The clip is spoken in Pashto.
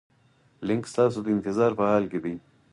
لینک ستاسو د انتظار په حال کې دی.